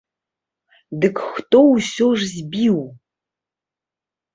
Дык хто ўсё ж збіў?